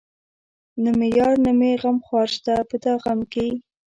نه مې يار نه مې غمخوار شته په دا غم کې